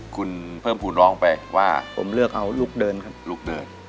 คุณเพิ่มภูนิร้องไปว่าผมเลือกเอาลุกเดินครับ